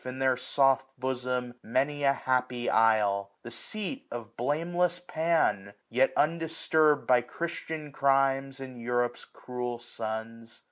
In their soft bosom, many a happy isle ; The seat of blameless Pan, yet undisturb'd By Christian crimes and Europe's cruel sons.